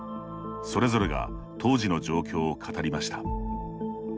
それぞれが当時の状況を語りました。